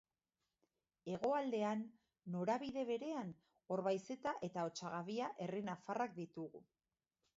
Hegoaldean, norabide berean, Orbaizeta eta Otsagabia herri nafarrak ditugu.